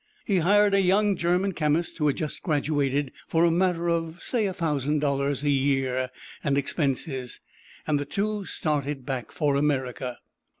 He hired a young German chemist, who had just graduated, for a matter of, say, a thousand dollars a year and expenses, and the two started back for America.